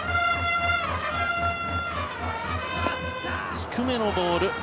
低めのボール。